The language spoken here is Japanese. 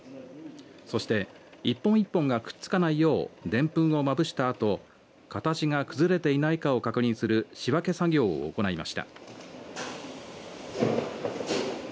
そして一本一本がくっつかないようでんぷんをまぶしたあと形が崩れていないかを確認する仕分け作業を行いました。